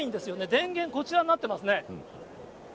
電源こちらになってますね。